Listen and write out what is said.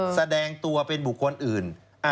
แสดงตัวเป็นบุคคลอื่น